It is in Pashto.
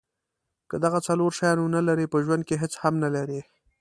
که دغه څلور شیان ونلرئ په ژوند کې هیڅ هم نلرئ.